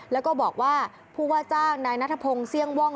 แล้วก็บอกว่าผู้ว่าจ้างนายนัทพงศ์เสี่ยงว่อง